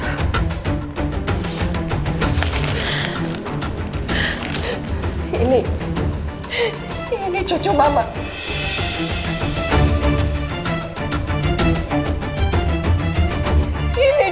kau tidak bisa